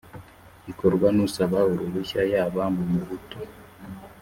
ikorwa n usaba uruhushya yaba mumubutu